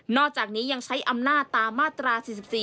อกจากนี้ยังใช้อำนาจตามมาตรา๔๔